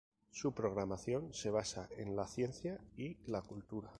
Su programación se basa en la ciencia y la cultura.